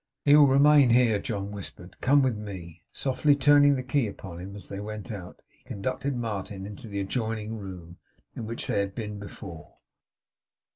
'He will remain here,' John whispered. 'Come with me!' Softly turning the key upon him as they went out, he conducted Martin into the adjoining room, in which they had been before.